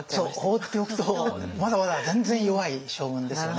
放っておくとまだまだ全然弱い将軍ですよね。